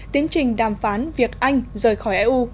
tiến trình đàm phán việc anh rời khỏi eu